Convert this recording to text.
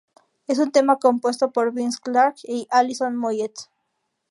Es un tema compuesto por Vince Clarke y Alison Moyet.